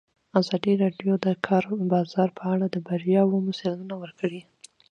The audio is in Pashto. ازادي راډیو د د کار بازار په اړه د بریاوو مثالونه ورکړي.